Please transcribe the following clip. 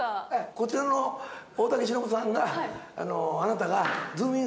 こちらの大竹しのぶさんが、あなたがズームイン！！